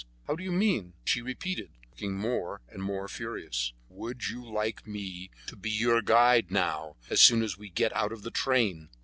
How do you mean?" She repeated, looking more and more furious: "Would you like me to be your guide now, as soon as we get out of the train?"